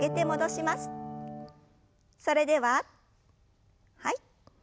それでははい。